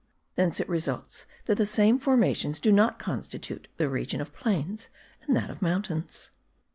Thence it results that the same formations do not constitute the region of plains and that of mountains.